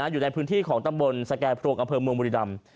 อยู่ในพื้นที่ของตำบลสแก่พรวงอำเภอเมืองบุรีรำ